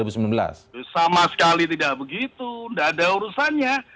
sama sekali tidak begitu tidak ada urusannya